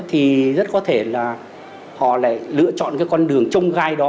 thì rất có thể là họ lại lựa chọn cái con đường trông gai đó